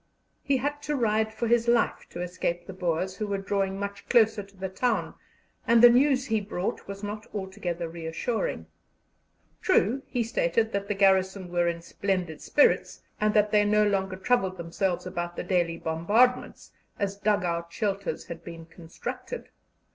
He had to ride for his life to escape the Boers, who were drawing much closer to the town, and the news he brought was not altogether reassuring. True, he stated that the garrison were in splendid spirits, and that they no longer troubled themselves about the daily bombardments, as dug out shelters had been constructed.